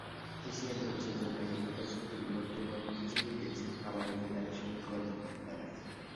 Asian গেমসের জন্য এটিকে প্রস্তুতিমূলক টুর্নামেন্ট হিসেবেই দেখছেন কাবাডি ফেডারেশনের কর্মকর্তারা।